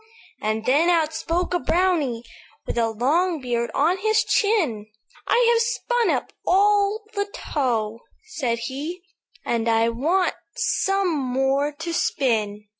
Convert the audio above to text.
"And then outspoke a brownie, With a long beard on his chin; 'I have spun up all the tow,' said he, 'And I want some more to spin.